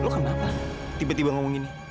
kenapa kamu mengatakan ini